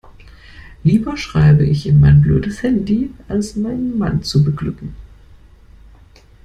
Lieber schreibe ich in mein blödes Handy, als meinen Mann zu beglücken.